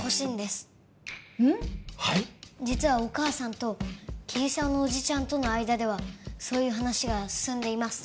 実はお母さんと桐沢のおじちゃんとの間ではそういう話が進んでいます。